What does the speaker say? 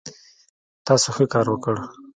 تاسو ښه کار وکړ